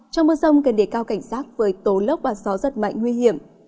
trong mưa rông cần đề cao cảnh sát với tố lốc và gió rất mạnh nguy hiểm